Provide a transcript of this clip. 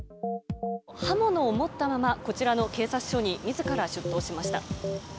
刃物を持ったままこちらの警察署に自ら出頭しました。